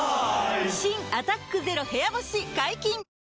新「アタックＺＥＲＯ部屋干し」解禁‼